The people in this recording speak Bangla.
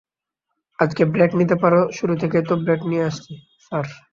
আজকে ব্রেক নিতে পারো শুরু থেকেই তো ব্রেক নিয়ে আছি, স্যার।